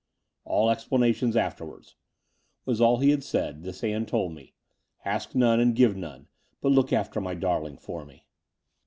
*'A11 explanations afterwards," was all he had said — ^this Ann told me. *'Ask none and give none: but look after my darling for me."